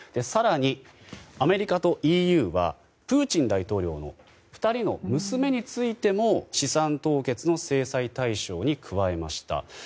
更に、アメリカとＥＵはプーチン大統領の２人の娘についても資産凍結の制裁対象に加えました。